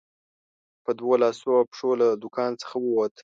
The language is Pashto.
په دوو لاسو او پښو له دوکان څخه ووت.